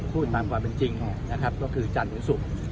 พูดตามความเป็นจริงนะครับก็คือจันทร์หรือศุกร์